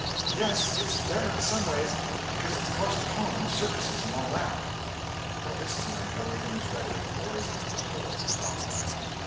"Yes, it's better in some ways, because it's close to home and circuses and all that." By this time everything was ready and the boys entered the hole, Tom in the lead.